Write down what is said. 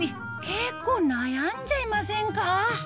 結構悩んじゃいませんか？